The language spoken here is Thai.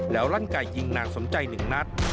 แล้วลั่นไก่ยิงนางสมใจ๑นัด